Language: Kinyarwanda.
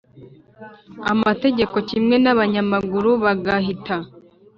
Amategeko kimwe n abanyamaguru bagahita